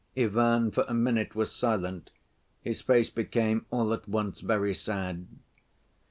Ivan for a minute was silent, his face became all at once very sad.